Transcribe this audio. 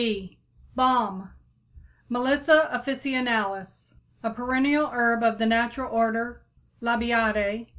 =Balm= (Melissa officinalis, Linn.), a perennial herb of the natural order Labiatæ.